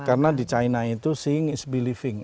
ya karena di china itu seeing is believing